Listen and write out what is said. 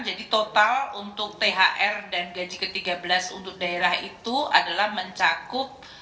jadi total untuk thr dan gaji ke tiga belas untuk daerah itu adalah mencakup